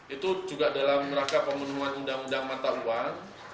itu juga dalam rangka pemenuhan undang undang mata uang